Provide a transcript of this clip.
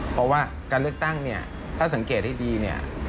เพราะว่าการเลือกตั้งเนี่ยถ้าสังเกตให้ดีเนี่ย